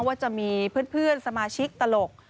ว่าจะมีเพื่อนสมาชิกตลก